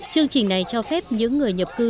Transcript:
chương trình này cho phép những người nhập cư